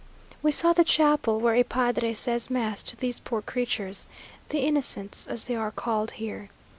We saw the chapel, where a padre says mass to these poor creatures, "the Innocents," as they are called here.